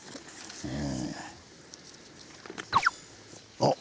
あっ！